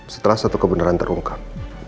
setelah satu kebenaran terungkap